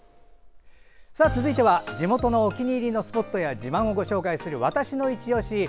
続いては地元のお気に入りのスポットや自慢をご紹介する「＃わたしのいちオシ」。